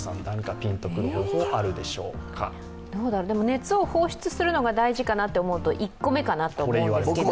熱を放出するのが大事かなと思うと１個目かなと思うんですけど。